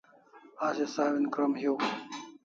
Asi sawin krom hiu